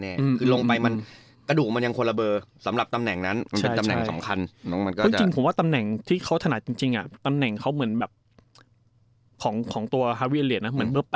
ตรงไปกระดูกมันยังควรระเบิร์นสำหรับตำแหน่งนั้น